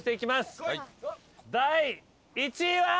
第１位は。